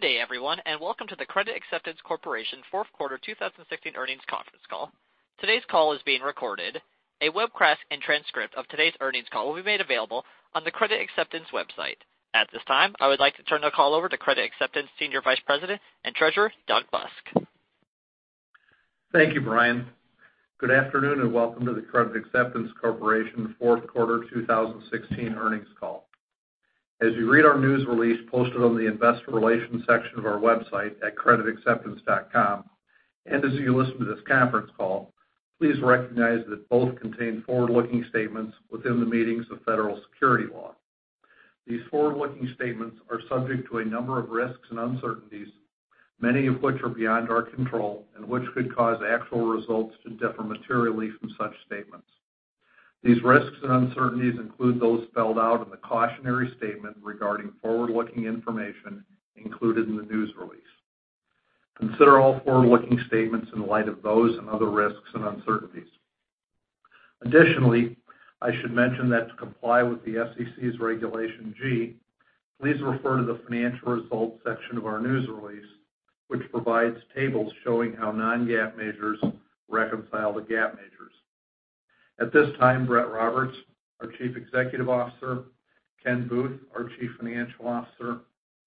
Good day, everyone, welcome to the Credit Acceptance Corporation fourth quarter 2016 earnings conference call. Today's call is being recorded. A webcast and transcript of today's earnings call will be made available on the Credit Acceptance website. At this time, I would like to turn the call over to Credit Acceptance Senior Vice President and Treasurer, Doug Busk. Thank you, Brian. Good afternoon, welcome to the Credit Acceptance Corporation fourth quarter 2016 earnings call. As you read our news release posted on the investor relations section of our website at creditacceptance.com, as you listen to this conference call, please recognize that both contain forward-looking statements within the meanings of Federal Securities Law. These forward-looking statements are subject to a number of risks and uncertainties, many of which are beyond our control and which could cause actual results to differ materially from such statements. These risks and uncertainties include those spelled out in the cautionary statement regarding forward-looking information included in the news release. Consider all forward-looking statements in light of those and other risks and uncertainties. Additionally, I should mention that to comply with the SEC's Regulation G, please refer to the financial results section of our news release, which provides tables showing how non-GAAP measures reconcile to GAAP measures. At this time, Brett Roberts, our Chief Executive Officer, Ken Booth, our Chief Financial Officer,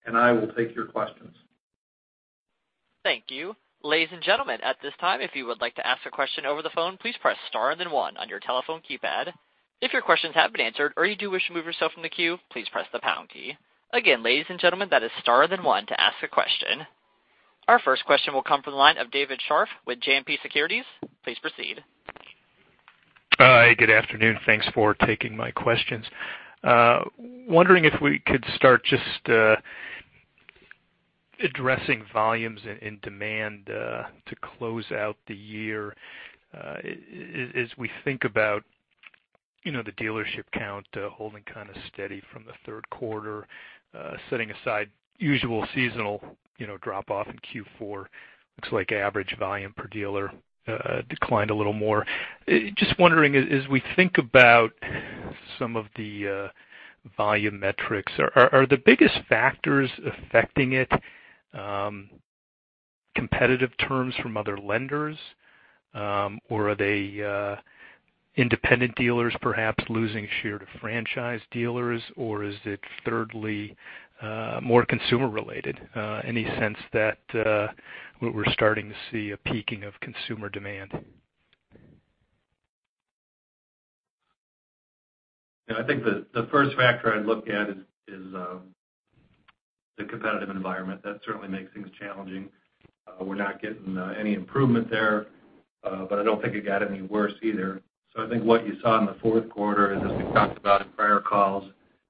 I will take your questions. Thank you. Ladies and gentlemen, at this time, if you would like to ask a question over the phone, please press star and then one on your telephone keypad. If your questions have been answered or you do wish to remove yourself from the queue, please press the pound key. Again, ladies and gentlemen, that is star and then one to ask a question. Our first question will come from the line of David Scharf with JMP Securities. Please proceed. Hi, good afternoon. Thanks for taking my questions. Wondering if we could start just addressing volumes and demand to close out the year. As we think about the dealership count holding kind of steady from the third quarter, setting aside usual seasonal drop-off in Q4, looks like average volume per dealer declined a little more. Just wondering, as we think about some of the volume metrics, are the biggest factors affecting it competitive terms from other lenders? Are they independent dealers perhaps losing share to franchise dealers? Is it thirdly, more consumer-related, any sense that we're starting to see a peaking of consumer demand? Yeah, I think the first factor I'd look at is the competitive environment. That certainly makes things challenging. We're not getting any improvement there, but I don't think it got any worse either. I think what you saw in the fourth quarter is, as we talked about in prior calls,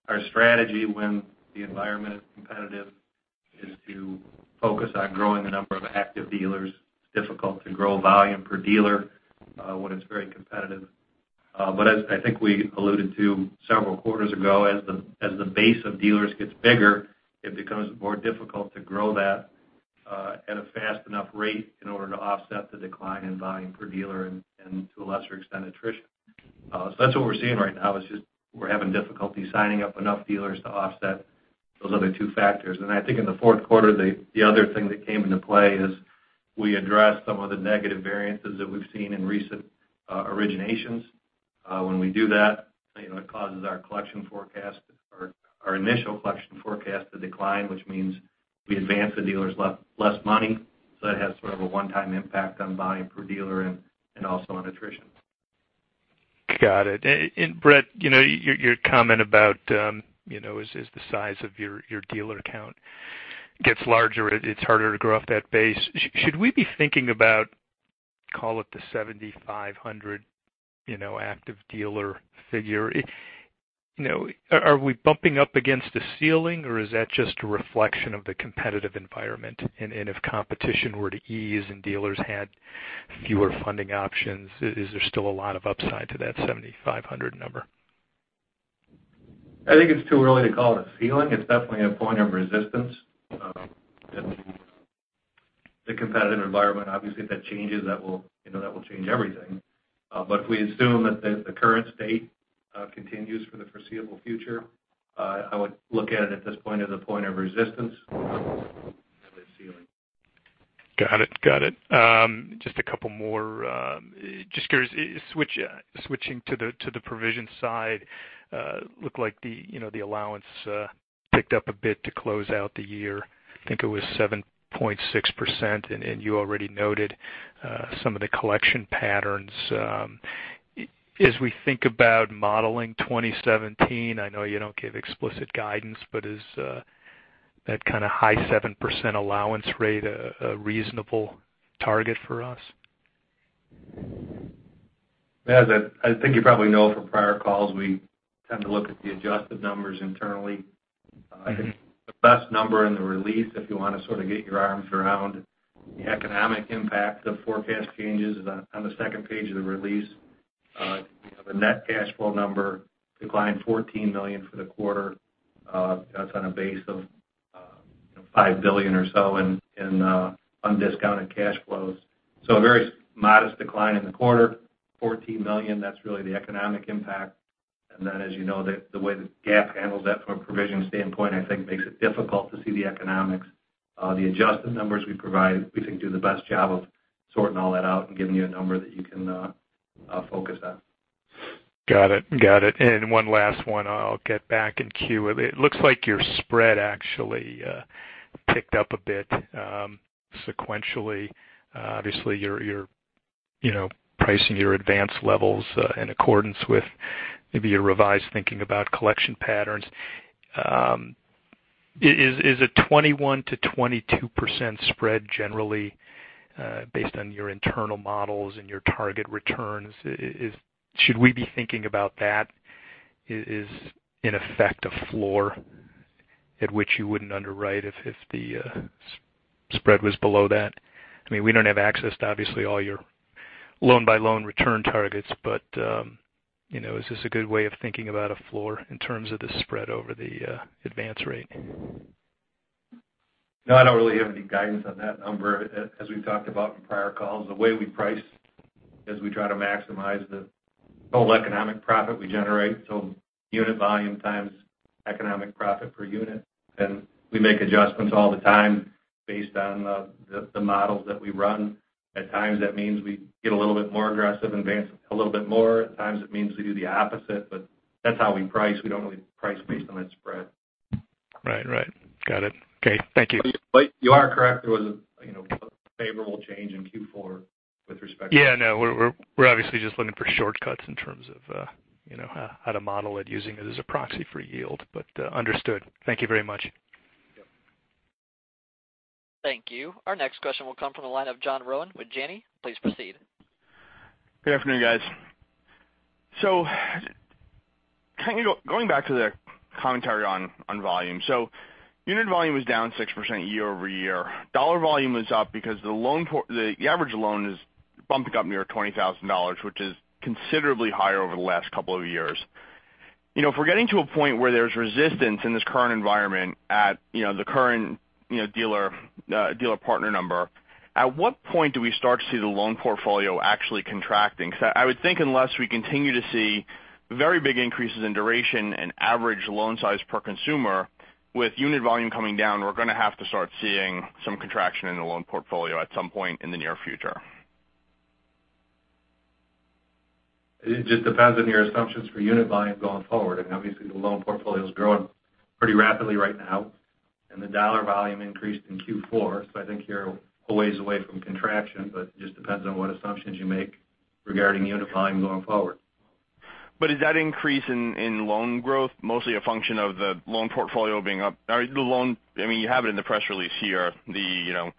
our strategy when the environment is competitive is to focus on growing the number of active dealers. It's difficult to grow volume per dealer when it's very competitive. As I think we alluded to several quarters ago, as the base of dealers gets bigger, it becomes more difficult to grow that at a fast enough rate in order to offset the decline in volume per dealer and to a lesser extent, attrition. That's what we're seeing right now is just we're having difficulty signing up enough dealers to offset those other two factors. I think in the fourth quarter, the other thing that came into play is we addressed some of the negative variances that we've seen in recent originations. When we do that, it causes our initial collection forecast to decline, which means we advance the dealers less money. That has sort of a one-time impact on volume per dealer and also on attrition. Got it. Brett, your comment about as the size of your dealer count gets larger, it's harder to grow off that base. Should we be thinking about, call it the 7,500 active dealer figure? Are we bumping up against a ceiling, or is that just a reflection of the competitive environment? If competition were to ease and dealers had fewer funding options, is there still a lot of upside to that 7,500 number? I think it's too early to call it a ceiling. It's definitely a point of resistance. The competitive environment, obviously, if that changes, that will change everything. If we assume that the current state continues for the foreseeable future, I would look at it at this point as a point of resistance and a ceiling. Got it. Just a couple more. Just curious, switching to the provision side, looked like the allowance ticked up a bit to close out the year. I think it was 7.6%, and you already noted some of the collection patterns. As we think about modeling 2017, I know you don't give explicit guidance, is that kind of high 7% allowance rate a reasonable target for us? As I think you probably know from prior calls, we tend to look at the adjusted numbers internally. I think the best number in the release, if you want to sort of get your arms around the economic impact of forecast changes on the second page of the release. The net cash flow number declined $14 million for the quarter. That's on a base of $5 billion or so in undiscounted cash flows. A very modest decline in the quarter, $14 million. That's really the economic impact. As you know, the way that GAAP handles that from a provision standpoint, I think makes it difficult to see the economics. The adjusted numbers we provide, we think do the best job of sorting all that out and giving you a number that you can focus on. Got it. One last one, I'll get back in queue. It looks like your spread actually ticked up a bit sequentially. Obviously you're pricing your advance levels in accordance with maybe a revised thinking about collection patterns. Is a 21%-22% spread generally based on your internal models and your target returns? Should we be thinking about that as in effect, a floor at which you wouldn't underwrite if the spread was below that? I mean, we don't have access to obviously all your loan-by-loan return targets, is this a good way of thinking about a floor in terms of the spread over the advance rate? No, I don't really have any guidance on that number. As we've talked about in prior calls, the way we price is we try to maximize the total economic profit we generate. Unit volume times economic profit per unit. We make adjustments all the time based on the models that we run. At times, that means we get a little bit more aggressive, advance a little bit more. At times it means we do the opposite, that's how we price. We don't really price based on that spread. Right. Got it. Okay. Thank you. You are correct. It was a favorable change in Q4 with respect to- Yeah. No, we're obviously just looking for shortcuts in terms of how to model it, using it as a proxy for yield. Understood. Thank you very much. Yep. Thank you. Our next question will come from the line of John Rowan with Janney. Please proceed. Good afternoon, guys. Kind of going back to the commentary on volume. Unit volume was down 6% year-over-year. Dollar volume was up because the average loan is bumping up near $20,000, which is considerably higher over the last couple of years. If we're getting to a point where there's resistance in this current environment at the current dealer partner number, at what point do we start to see the loan portfolio actually contracting? I would think unless we continue to see very big increases in duration and average loan size per consumer, with unit volume coming down, we're going to have to start seeing some contraction in the loan portfolio at some point in the near future. It just depends on your assumptions for unit volume going forward. I mean, obviously the loan portfolio's growing pretty rapidly right now, and the dollar volume increased in Q4. I think you're a ways away from contraction, it just depends on what assumptions you make regarding unit volume going forward. Is that increase in loan growth mostly a function of the loan portfolio being up? I mean, you have it in the press release here, the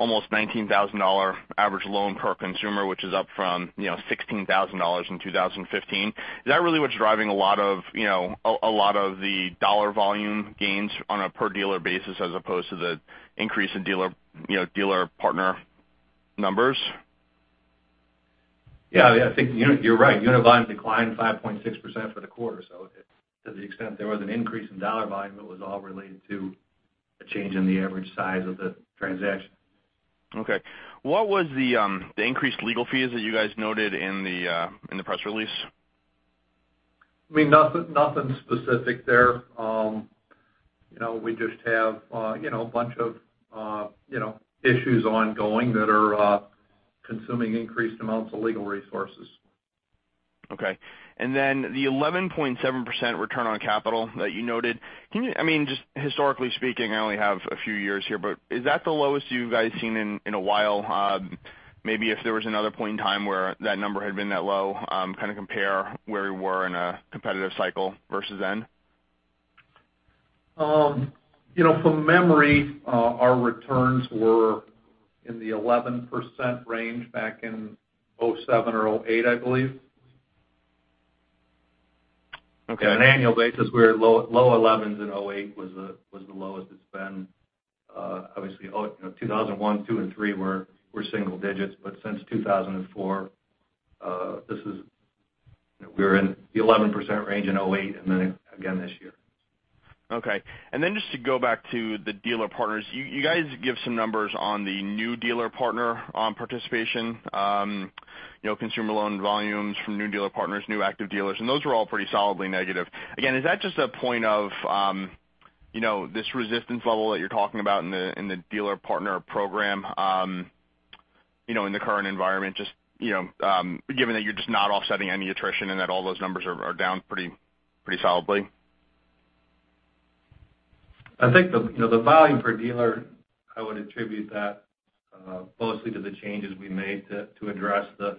almost $19,000 average loan per consumer, which is up from $16,000 in 2015. Is that really what's driving a lot of the dollar volume gains on a per dealer basis as opposed to the increase in dealer partner numbers? Yeah, I think you're right. Unit volume declined 5.6% for the quarter. To the extent there was an increase in dollar volume, it was all related to a change in the average size of the transaction. Okay. What was the increased legal fees that you guys noted in the press release? I mean, nothing specific there. We just have a bunch of issues ongoing that are consuming increased amounts of legal resources. Okay. The 11.7% return on capital that you noted. I mean, just historically speaking, I only have a few years here, but is that the lowest you guys have seen in a while? Maybe if there was another point in time where that number had been that low, kind of compare where we were in a competitive cycle versus then. From memory, our returns were in the 11% range back in 2007 or 2008, I believe. Okay. On an annual basis, we were low 11s in 2008 was the lowest it's been. Obviously, 2001, 2002, and 2003 were single digits. Since 2004, we were in the 11% range in 2008, and then again this year. Okay. Just to go back to the dealer partners, you guys give some numbers on the new dealer partner on participation. Consumer loan volumes from new dealer partners, new active dealers, those were all pretty solidly negative. Again, is that just a point of this resistance level that you're talking about in the dealer partner program, in the current environment, just given that you're just not offsetting any attrition and that all those numbers are down pretty solidly? I think the volume per dealer, I would attribute that mostly to the changes we made to address the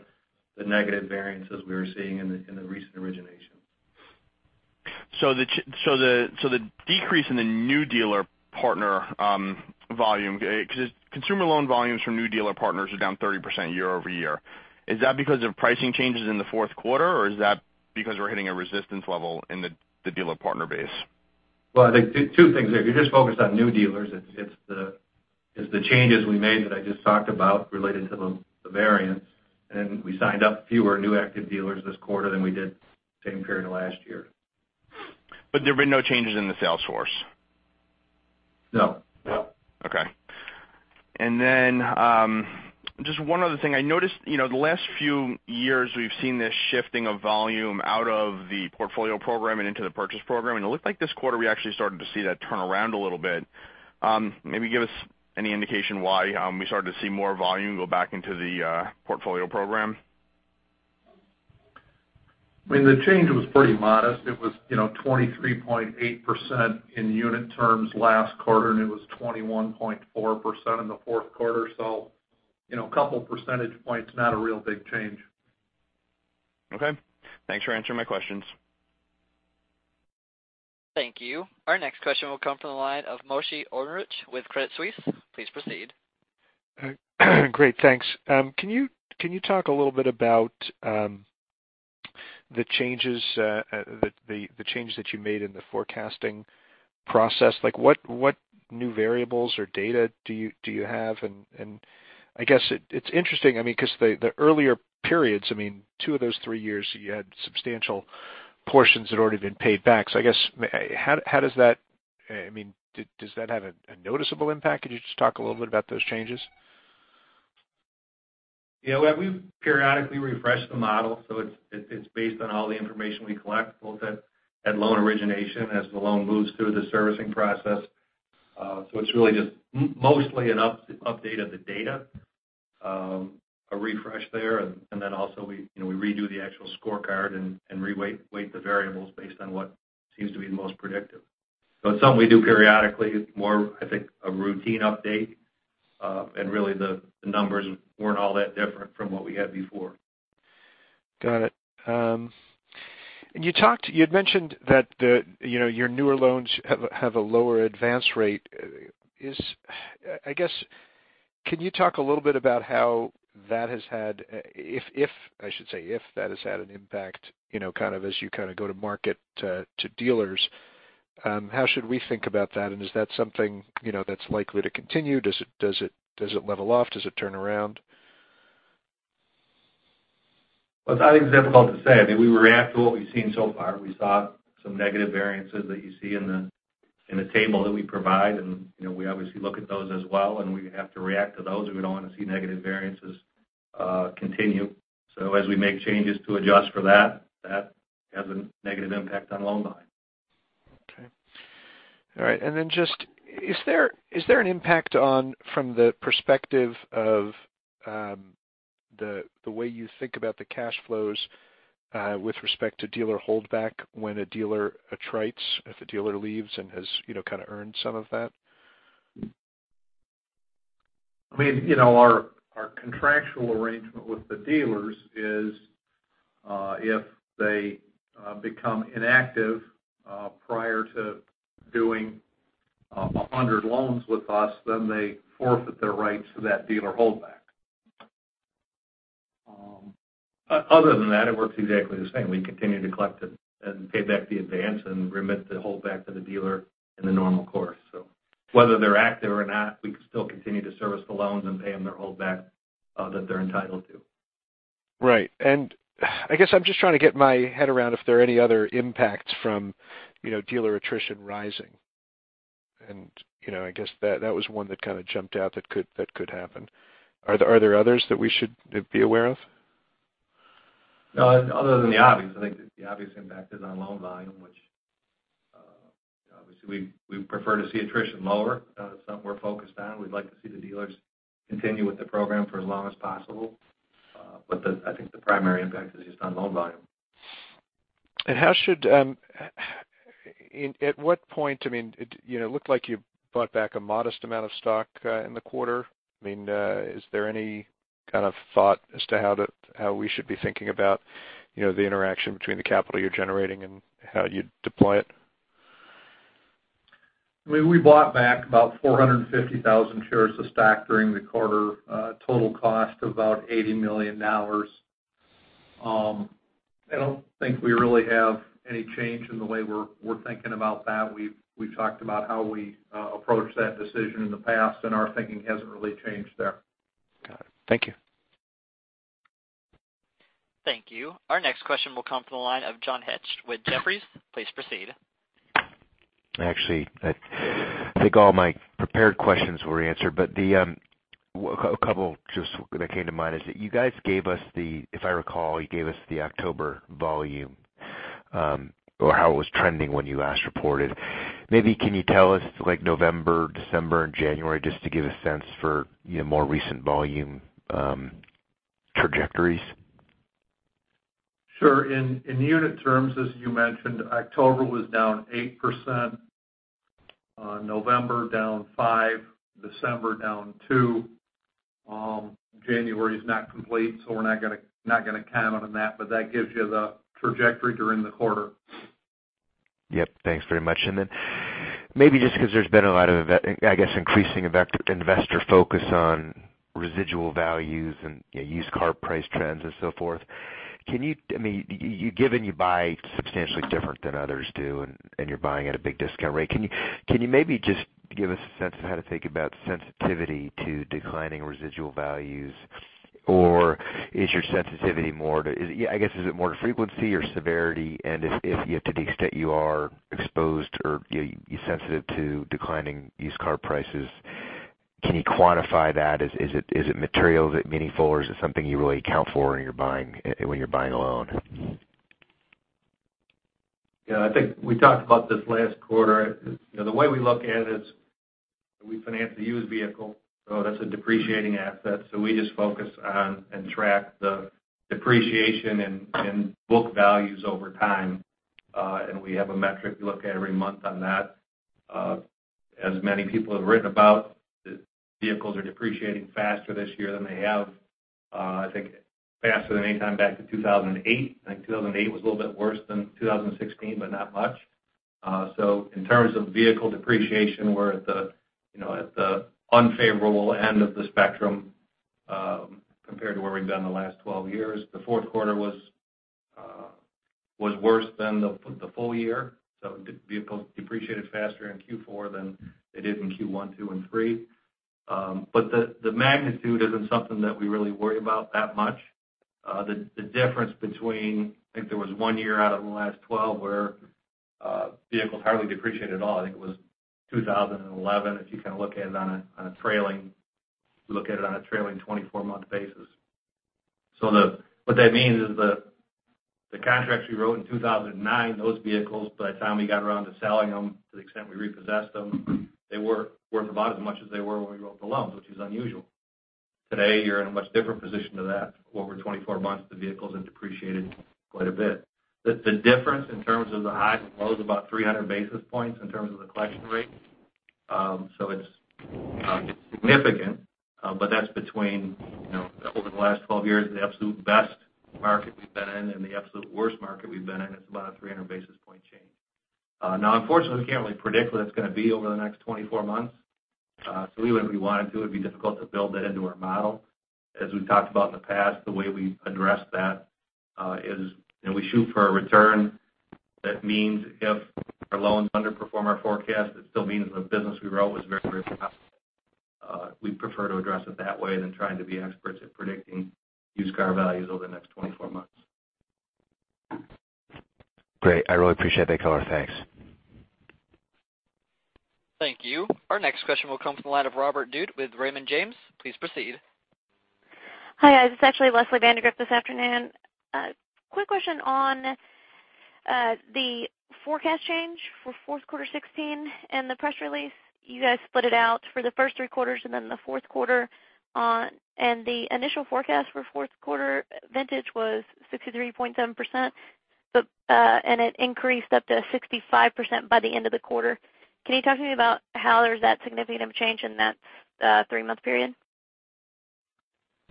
negative variances we were seeing in the recent origination. The decrease in the new dealer partner volume, because consumer loan volumes from new dealer partners are down 30% year-over-year. Is that because of pricing changes in the fourth quarter, or is that because we're hitting a resistance level in the dealer partner base? I think two things there. If you're just focused on new dealers, it's the changes we made that I just talked about related to the variance, and we signed up fewer new active dealers this quarter than we did same period last year. There have been no changes in the sales force? No. Okay. Just one other thing. I noticed, the last few years, we've seen this shifting of volume out of the Portfolio Program and into the Purchase Program. It looked like this quarter, we actually started to see that turn around a little bit. Maybe give us any indication why we started to see more volume go back into the Portfolio Program. The change was pretty modest. It was 23.8% in unit terms last quarter, and it was 21.4% in the fourth quarter. A couple percentage points, not a real big change. Okay. Thanks for answering my questions. Thank you. Our next question will come from the line of Moshe Orenbuch with Credit Suisse. Please proceed. Great, thanks. Can you talk a little bit about the changes that you made in the forecasting process? What new variables or data do you have? I guess, it's interesting because the earlier periods, two of those three years, you had substantial portions that had already been paid back. I guess, does that have a noticeable impact? Could you just talk a little bit about those changes? Yeah. We periodically refresh the model. It's based on all the information we collect, both at loan origination, as the loan moves through the servicing process. It's really just mostly an update of the data, a refresh there. Then also, we redo the actual scorecard and re-weight the variables based on what seems to be the most predictive. It's something we do periodically. It's more, I think, a routine update. Really, the numbers weren't all that different from what we had before. Got it. You'd mentioned that your newer loans have a lower advance rate. I guess, can you talk a little bit about how that has had, if, I should say, if that has had an impact, as you go to market to dealers. How should we think about that? Is that something that's likely to continue? Does it level off? Does it turn around? Well, I think it's difficult to say. We react to what we've seen so far. We saw some negative variances that you see in the table that we provide. We obviously look at those as well. We have to react to those. We don't want to see negative variances continue. As we make changes to adjust for that has a negative impact on loan volume. Okay. All right. Then just, is there an impact on, from the perspective of the way you think about the cash flows with respect to dealer holdback when a dealer attrites, if a dealer leaves and has kind of earned some of that? Our contractual arrangement with the dealers is if they become inactive prior to doing 100 loans with us, they forfeit their rights to that dealer holdback. Other than that, it works exactly the same. We continue to collect it and pay back the advance and remit the holdback to the dealer in the normal course. Whether they're active or not, we still continue to service the loans and pay them their holdback that they're entitled to. Right. I guess I'm just trying to get my head around if there are any other impacts from dealer attrition rising. I guess that was one that kind of jumped out that could happen. Are there others that we should be aware of? Other than the obvious. I think the obvious impact is on loan volume, which obviously we prefer to see attrition lower. That's something we're focused on. We'd like to see the dealers continue with the program for as long as possible. I think the primary impact is just on loan volume. At what point, it looked like you bought back a modest amount of stock in the quarter. Is there any kind of thought as to how we should be thinking about the interaction between the capital you're generating and how you'd deploy it? We bought back about 450,000 shares of stock during the quarter, total cost of about $80 million. I don't think we really have any change in the way we're thinking about that. We've talked about how we approach that decision in the past. Our thinking hasn't really changed there. Got it. Thank you. Thank you. Our next question will come from the line of John Hecht with Jefferies. Please proceed. Actually, I think all my prepared questions were answered. A couple just that came to mind is that you guys gave us the, if I recall, you gave us the October volume, or how it was trending when you last reported. Maybe can you tell us, like, November, December and January just to give a sense for more recent volume trajectories? Sure. In unit terms, as you mentioned, October was down 8%, November down 5%, December down 2%. January is not complete, we're not going to count on that, but that gives you the trajectory during the quarter. Yep. Thanks very much. Maybe just because there's been a lot of, I guess, increasing investor focus on residual values and used car price trends and so forth. Given you buy substantially different than others do and you're buying at a big discount rate, can you maybe just give us a sense of how to think about sensitivity to declining residual values? Is your sensitivity more to, I guess, is it more to frequency or severity? If, to the extent you are exposed or you're sensitive to declining used car prices, can you quantify that? Is it material? Is it meaningful or is it something you really account for when you're buying a loan? Yeah, I think we talked about this last quarter. The way we look at it is we finance the used vehicle. That's a depreciating asset. We just focus on and track the depreciation and book values over time. We have a metric we look at every month on that. As many people have written about, vehicles are depreciating faster this year than they have, I think, faster than any time back to 2008. I think 2008 was a little bit worse than 2016, but not much. In terms of vehicle depreciation, we're at the unfavorable end of the spectrum compared to where we've been the last 12 years. The fourth quarter was worse than the full year. Vehicles depreciated faster in Q4 than they did in Q1, two, and three. The magnitude isn't something that we really worry about that much. The difference between, I think there was one year out of the last 12 where vehicles hardly depreciated at all. I think it was 2011. If you kind of look at it on a trailing 24-month basis. What that means is the contracts we wrote in 2009, those vehicles, by the time we got around to selling them, to the extent we repossessed them, they were worth about as much as they were when we wrote the loans, which is unusual. Today, you're in a much different position to that. Over 24 months, the vehicle's depreciated quite a bit. The difference in terms of the highs and lows is about 300 basis points in terms of the collection rate. It's significant, that's between over the last 12 years, the absolute best market we've been in and the absolute worst market we've been in. It's about a 300 basis point change. Unfortunately, we can't really predict what it's going to be over the next 24 months. Even if we wanted to, it'd be difficult to build that into our model. As we talked about in the past, the way we address that is we shoot for a return. That means if our loans underperform our forecast, it still means the business we wrote was very, very profitable. We prefer to address it that way than trying to be experts at predicting used car values over the next 24 months. Great. I really appreciate that color. Thanks. Thank you. Our next question will come from the line of Robert Dude with Raymond James. Please proceed. Hi. This is actually Leslie Vandergrift this afternoon. Quick question on the forecast change for fourth quarter 2016 and the press release. You guys split it out for the first three quarters and then the fourth quarter on. The initial forecast for fourth quarter vintage was 63.7%, and it increased up to 65% by the end of the quarter. Can you talk to me about how there's that significant of a change in that three-month period?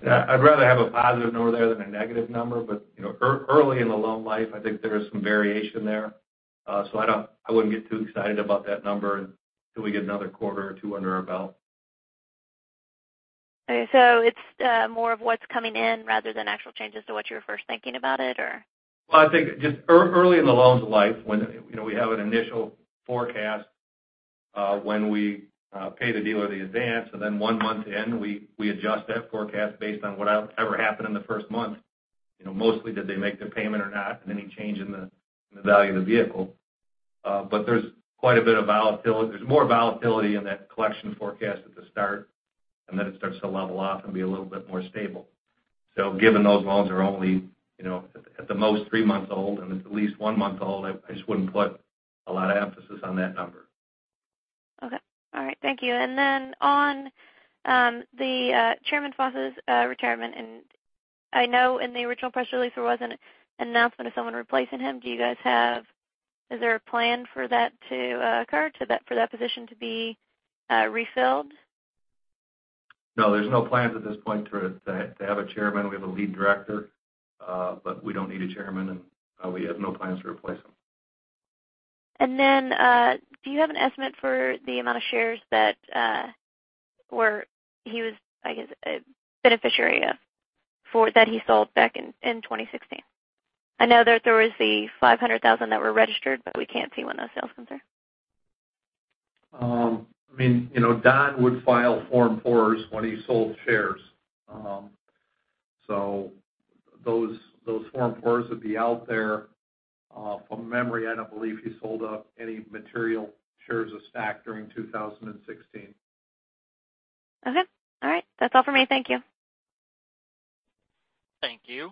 Yeah. I'd rather have a positive number there than a negative number. Early in the loan life, I think there is some variation there. I wouldn't get too excited about that number until we get another quarter or two under our belt. Okay. It's more of what's coming in rather than actual changes to what you were first thinking about it, or? Well, I think just early in the loan's life, when we have an initial forecast when we pay the dealer the advance, and then one month in, we adjust that forecast based on whatever happened in the first month. Mostly did they make the payment or not, and any change in the value of the vehicle. There's quite a bit of volatility. There's more volatility in that collection forecast at the start, and then it starts to level off and be a little bit more stable. Given those loans are only at the most three months old, and it's at least one month old, I just wouldn't put a lot of emphasis on that number. Okay. All right. Thank you. Then on the Chairman Foss' retirement, and I know in the original press release, there was an announcement of someone replacing him. Is there a plan for that to occur, for that position to be refilled? No, there's no plans at this point to have a chairman. We have a lead director but we don't need a chairman, we have no plans to replace him. Do you have an estimate for the amount of shares that he was, I guess, a beneficiary of that he sold back in 2016? I know that there was the 500,000 that were registered, we can't see when those sales come through. Don would file Form 4s when he sold shares. Those Form 4s would be out there. From memory, I don't believe he sold any material shares of stock during 2016. Okay. All right. That's all for me. Thank you. Thank you.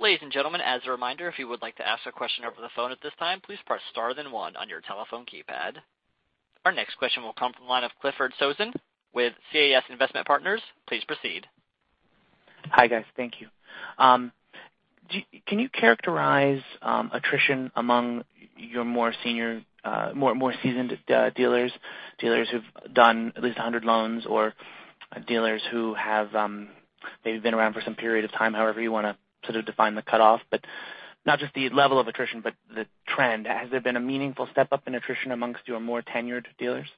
Ladies and gentlemen, as a reminder, if you would like to ask a question over the phone at this time, please press star then one on your telephone keypad. Our next question will come from the line of Clifford Sosin with CAS Investment Partners. Please proceed. Hi, guys. Thank you. Can you characterize attrition among your more seasoned dealers who've done at least 100 loans or dealers who have maybe been around for some period of time, however you want to sort of define the cutoff, but not just the level of attrition, but the trend. Has there been a meaningful step up in attrition amongst your more tenured dealers?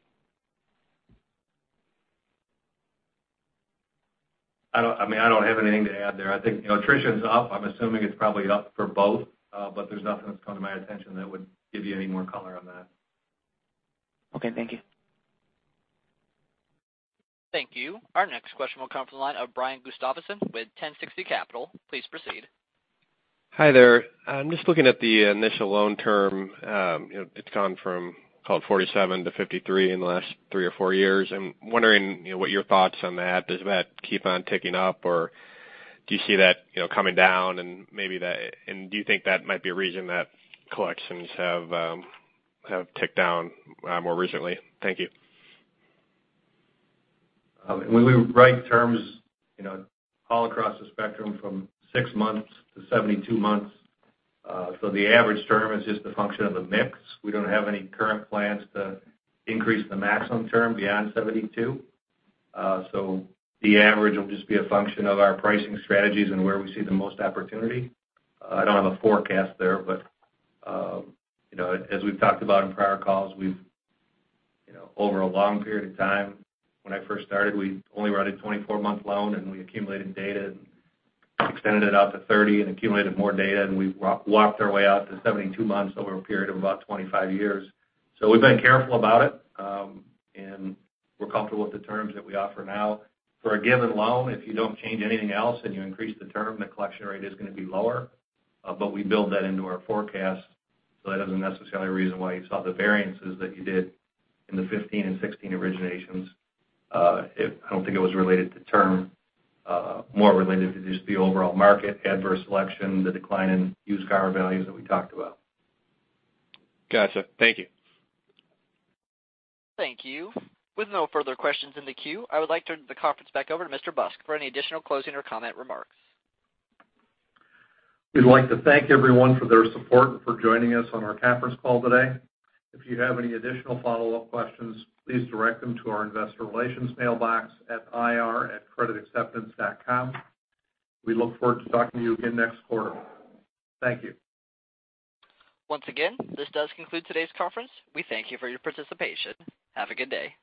I don't have anything to add there. I think attrition's up. I'm assuming it's probably up for both. There's nothing that's come to my attention that would give you any more color on that. Okay, thank you. Thank you. Our next question will come from the line of Brian Gustavson with 1060 Capital. Please proceed. Hi there. I'm just looking at the initial loan term. It's gone from called 47-53 in the last three or four years. I'm wondering what your thoughts on that. Does that keep on ticking up, or do you see that coming down? Do you think that might be a reason that collections have ticked down more recently? Thank you. When we write terms all across the spectrum from six months to 72 months. The average term is just a function of the mix. We don't have any current plans to increase the maximum term beyond 72. The average will just be a function of our pricing strategies and where we see the most opportunity. I don't have a forecast there, but as we've talked about in prior calls, over a long period of time, when I first started, we only wrote a 24-month loan, and we accumulated data and extended it out to 30 and accumulated more data, and we walked our way out to 72 months over a period of about 25 years. We've been careful about it, and we're comfortable with the terms that we offer now. For a given loan, if you don't change anything else and you increase the term, the collection rate is going to be lower. We build that into our forecast, so that isn't necessarily a reason why you saw the variances that you did in the 2015 and 2016 originations. I don't think it was related to term, more related to just the overall market adverse selection, the decline in used car values that we talked about. Got you. Thank you. Thank you. With no further questions in the queue, I would like to turn the conference back over to Mr. Busk for any additional closing or comment remarks. We'd like to thank everyone for their support and for joining us on our conference call today. If you have any additional follow-up questions, please direct them to our investor relations mailbox at ir@creditacceptance.com. We look forward to talking to you again next quarter. Thank you. Once again, this does conclude today's conference. We thank you for your participation. Have a good day.